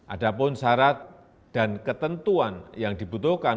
ada pun syarat dan ketentuan yang dibutuhkan